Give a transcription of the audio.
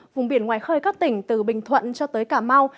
vùng biển ngoài khơi các tỉnh từ bình thuận cho tới cà mau